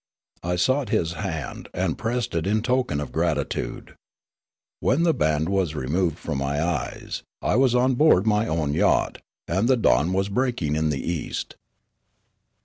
I sought his hand, and pressed it in token of gratitude. When the band was removed from ni} ej'es, I was on board my own yacht, and the dawn was breaking in the east.